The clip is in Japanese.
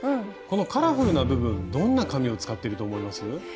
このカラフルな部分どんな紙を使っていると思います？